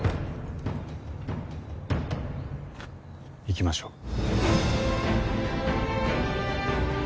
行きましょう。